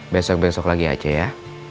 besok besok lagi aceh ya